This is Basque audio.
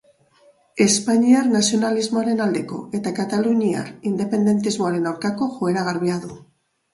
Espainiar nazionalismoaren aldeko eta kataluniar independentismoaren aurkako joera garbia du.